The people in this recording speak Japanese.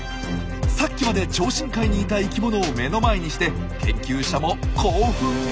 さっきまで超深海にいた生きものを目の前にして研究者も興奮気味。